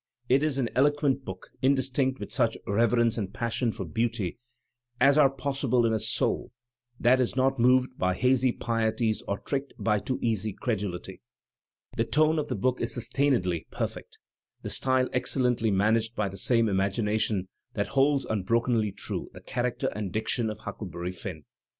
It is an eloquent book, instinct with such reverence and passion for beauty as are possible in a soul that is not moved by ha^ pieties or tricked by too easy creduKty. The tone of the book is sus tainedly perfect, the style excellently managed by 'the same imagination that holds unbrokenly true the character and diction of Huckleberry Pinn.